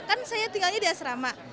kan saya tinggalnya di asrama